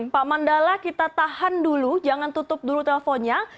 pak mandala kita tahan dulu jangan tutup dulu telponnya